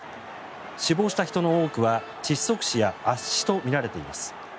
死亡した人の多くは窒息死や圧死とみられています。